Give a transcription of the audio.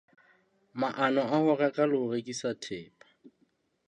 Maano a ho reka le ho rekisa thepa.